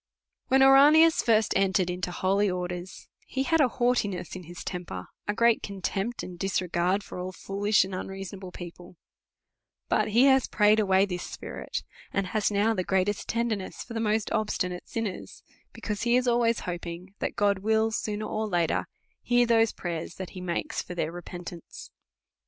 When Ouranius first entered into holy orders, he had a haughtiness in his temper, a great contempt and disregard for all foolish and unreasonable people ; but he has prayed away this spirit, and has now the great est tenderness for the most obstinate sinners ; because he is always hoping, that God will sooner or later hear those prayers that he makes for their repentance. DEVOUT AND HOLY LIFE.